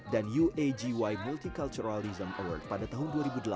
dan uagy multiculturalism award pada tahun dua ribu delapan